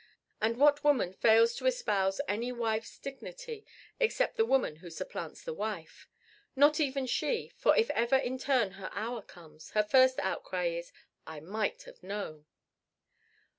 And what woman fails to espouse any wife's dignity except the woman who supplants the wife? (Not even she; for if ever in turn her hour comes, her first outcry is, 'I might have known.')